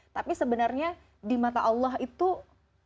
tapi sebenarnya di mata allah itu